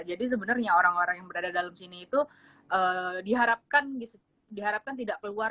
jadi sebenarnya orang orang yang berada dalam sini itu diharapkan tidak keluar